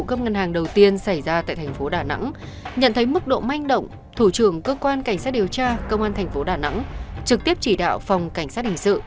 trong ngân hàng đầu tiên xảy ra tại thành phố đà nẵng nhận thấy mức độ manh động thủ trưởng cơ quan cảnh sát điều tra công an thành phố đà nẵng trực tiếp chỉ đạo phòng cảnh sát hình sự